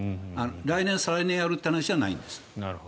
来年、再来年やるという話じゃないんです。